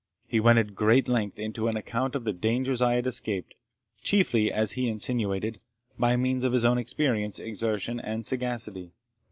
He went at great length into an account of the dangers I had escaped, chiefly, as he insinuated, by means of his own experience, exertion, and sagacity.